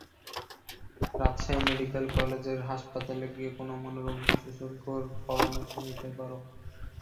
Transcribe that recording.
Rajshahi medical কলেজের হাসপাতালে গিয়ে কোনো মনোরোগ বিশেষজ্ঞের পরামর্শ নিতে পারো।